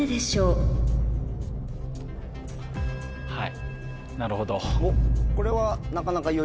はい。